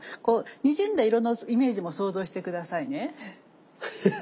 こうにじんだ色のイメージも想像して下さいね。